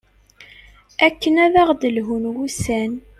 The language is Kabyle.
akken ad aɣ-d-lhun wussan